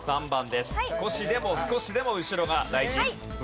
少しでも少しでも後ろが大事。